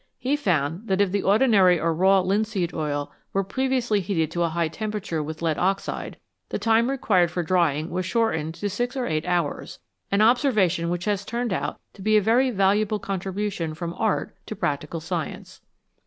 He found that if the ordinary or raw linseed oil were previously heated to a high temperature with lead oxide, the time required for drying was shortened to six or eight hours an observation which has turned out to be a very valuable contribution from art to practical science.